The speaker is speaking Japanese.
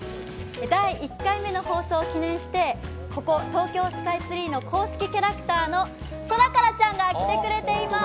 第１回目の放送を記念して、ここ東京スカイツリーの公式キャラクターのソラカラちゃんが来てくれています。